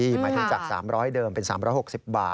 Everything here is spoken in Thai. หมายถึงจาก๓๐๐เดิมเป็น๓๖๐บาท